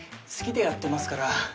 好きでやってますから。